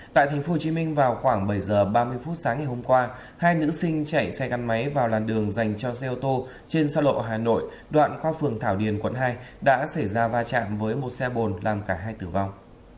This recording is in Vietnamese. tại tp hcm vào khoảng bảy h ba mươi phút sáng ngày hôm qua hai nữ sinh chạy xe gắn máy vào làn đường dành cho xe ô tô trên xe lộ hà nội đoạn qua phường thảo điền quận hai đã xảy ra va chạm với một xe bồn làm cả hai tử vong